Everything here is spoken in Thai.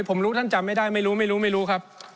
ผมรู้ท่านจำไม่ได้ไม่รู้ครับ